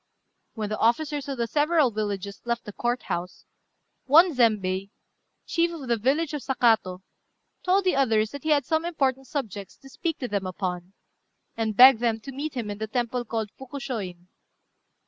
When the officers of the several villages left the Court house, one Zembei, the chief of the village of Sakato, told the others that he had some important subjects to speak to them upon, and begged them to meet him in the temple called Fukushôin.